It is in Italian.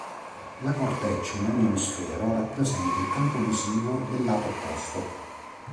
La corteccia in ogni emisfero rappresenta il campo visivo del lato opposto.